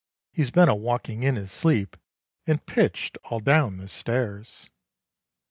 He's been a walking in his sleep, and pitch'd all down the stairs!"